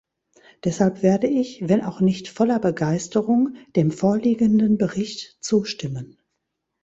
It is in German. Deshalb werde ich, wenn auch nicht voller Begeisterung, dem vorliegenden Bericht zustimmen.